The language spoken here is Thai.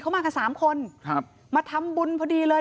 เขามากันสามคนครับมาทำบุญพอดีเลย